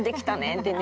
ってね